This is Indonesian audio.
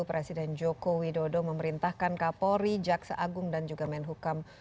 presiden joko widodo memerintahkan kapolri jaksa agung dan juga menhukam